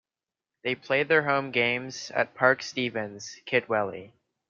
They play their home games at Parc Stephen's, Kidwelly.